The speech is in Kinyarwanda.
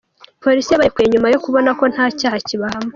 Polisi yabarekuye nyuma yo kubona ko nta cyaha kibahama.